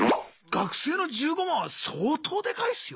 学生の１５万は相当でかいっすよ。